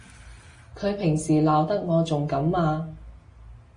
佢平時鬧得我仲甘啊！